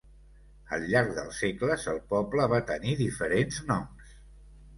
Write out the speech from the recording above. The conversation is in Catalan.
Al llarg dels segles el poble va tenir diferents noms.